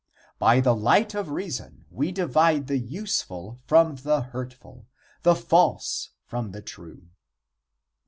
By the light of reason we divide the useful from the hurtful, the false from the true.